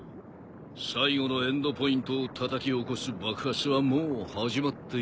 最後のエンドポイントをたたき起こす爆発はもう始まっているぞ。